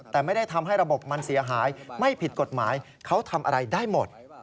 แต่ไม่ได้ทำให้ระบบมันเสียหายไม่ผิดกฎหมายเขาทำอะไรได้หมด